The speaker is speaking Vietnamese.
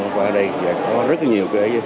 qua đây và có rất nhiều